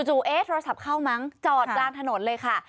เอ๊ะโทรศัพท์เข้ามั้งจอดกลางถนนเลยค่ะ